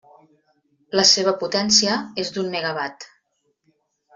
La seva potència és d'un megawatt.